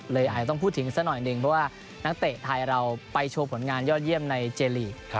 อาจจะต้องพูดถึงสักหน่อยหนึ่งเพราะว่านักเตะไทยเราไปโชว์ผลงานยอดเยี่ยมในเจลีก